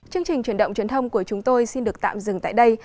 chương trình truyền động truyền thông của chúng tôi xin được tạm dừng tại đây